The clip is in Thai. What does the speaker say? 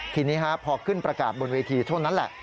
ทีนี้พอขึ้นประกาศบนเวทีเท่านั้นแหละ